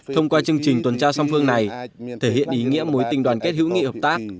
thông qua chương trình tuần tra song phương này thể hiện ý nghĩa mối tình đoàn kết hữu nghị hợp tác